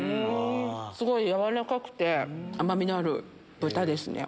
すごい軟らかくて甘みのある豚ですね。